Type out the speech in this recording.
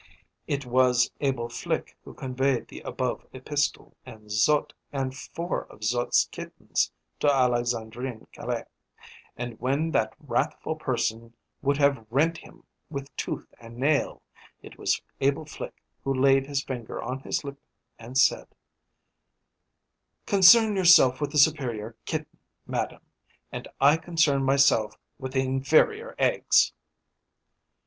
It was Abel Flique who conveyed the above epistle, and Zut, and four of Zut's kittens, to Alexandrine Caille, and, when that wrathful person would have rent him with tooth and nail, it was Abel Flique who laid his finger on his lip, and said, "Concern yourself with the superior kitten, madame, and I concern myself with the inferior eggs!"